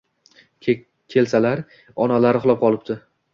Kelsalar, onalari uxlab qolibdi